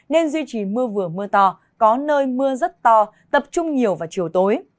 nên duy trì mưa vừa mưa to có nơi mưa rất to tập trung nhiều vào chiều tối